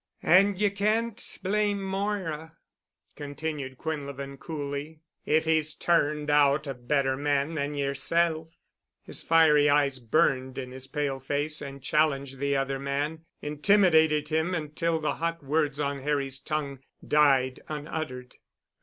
"And ye can't blame Moira," continued Quinlevin coolly, "if he's turned out a better man than yerself." His fiery eyes burned in his pale face and challenged the other man—intimidated him until the hot words on Harry's tongue died unuttered.